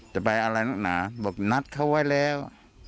จะไปอะไรนักหนาบอกนัดเขาไว้แล้ว